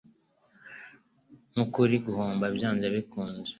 Nkukuri, guhomba byanze bikunze.